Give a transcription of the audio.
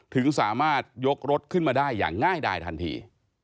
ถึงสามารถยกรถขึ้นมาได้อย่างง่ายดายทันที